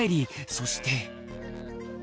そして。